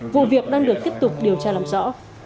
vụ việc đang được tiếp tục điều tra làm rõ